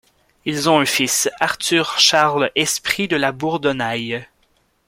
Ils ont un fils Arthur Charles Esprit de La Bourdonnaye.